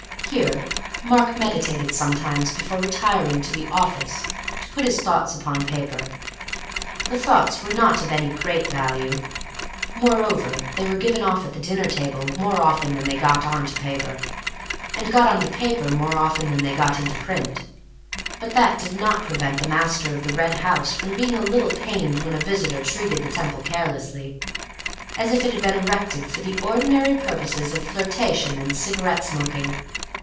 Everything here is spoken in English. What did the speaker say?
Here Mark meditated sometimes before retiring to the "office" to put his thoughts upon paper. The thoughts were not of any great value; moreover, they were given off at the dinner table more often than they got on to paper, and got on to paper more often than they got into print. But that did not prevent the master of The Red House from being a little pained when a visitor treated the Temple carelessly, as if it had been erected for the ordinary purposes of flirtation and cigarette smoking.